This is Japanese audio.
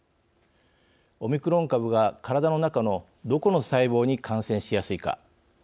オミクロン株が体の中のどこの細胞に感染しやすいか。